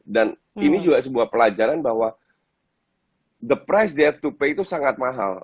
dan ini juga sebuah pelajaran bahwa the price they have to pay itu sangat mahal